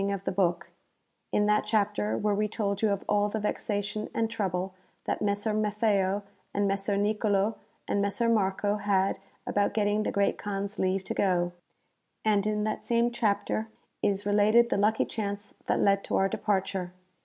431 ning of the Book, in that chapter where we told you of all the vexation and trouble that Messer Maffeo and Messer Nicolo and Messer Marco had about getting the Great Kaan's leave to go ; and in the same chapter is related the lucky chance that led to our departure.